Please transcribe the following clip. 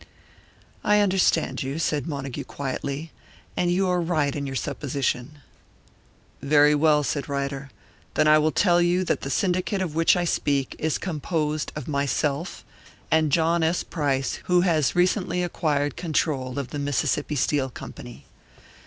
"I understand you," said Montague, quietly; "and you are right in your supposition." "Very well," said Ryder. "Then I will tell you that the syndicate of which I speak is composed of myself and John S. Price, who has recently acquired control of the Mississippi Steel Company.